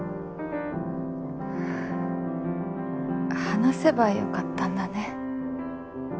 話せばよかったんだね。